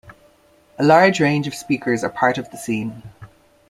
A large range of speakers are part of the scene.